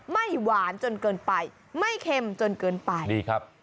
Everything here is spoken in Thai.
ไม่หวานจนเกินไปไม่เค็มจนเกินไปดีครับ